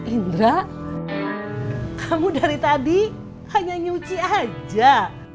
indra kamu dari tadi hanya nyuci aja